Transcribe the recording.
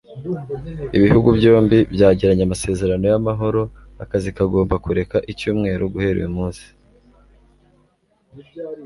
Ibihugu byombi byagiranye amasezerano y’amahoro. Akazi kagomba kureka icyumweru guhera uyu munsi.